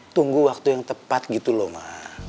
tunggu waktu yang tepat gitu loh mak